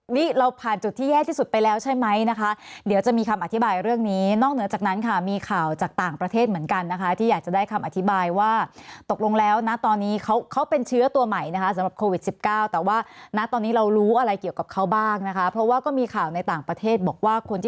นี่เราผ่านจุดที่แย่ที่สุดไปแล้วใช่ไหมนะคะเดี๋ยวจะมีคำอธิบายเรื่องนี้นอกเหนือจากนั้นค่ะมีข่าวจากต่างประเทศเหมือนกันนะคะที่อยากจะได้คำอธิบายว่าตกลงแล้วนะตอนนี้เขาเป็นเชื้อตัวใหม่นะคะสำหรับโควิด๑๙แต่ว่าณตอนนี้เรารู้อะไรเกี่ยวกับเขาบ้างนะคะเพราะว่าก็มีข่าวในต่างประเทศบอกว่าคนที่